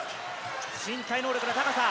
身体能力の高さ。